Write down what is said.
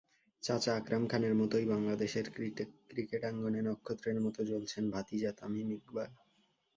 চাচা আকরাম খানের মতোই বাংলাদেশের ক্রিকেটাঙ্গনে নক্ষত্রের মতো জ্বলছেন ভাতিজা তামিম ইকবাল।